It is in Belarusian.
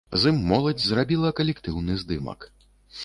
З ім моладзь зрабіла калектыўны здымак.